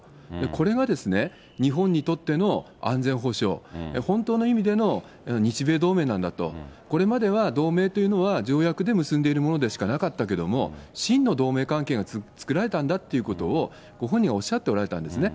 これが日本にとっての安全保障、本当の意味での日米同盟なんだと、これまでは同盟というのは条約で結んでいるものでしかなかったけれども、真の同盟関係が作られたんだということを、ご本人はおっしゃっておられたんですね。